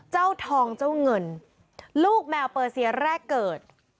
เจ้าทองเจ้าเงินลูกแมวเปอร์เซียแรกเกิด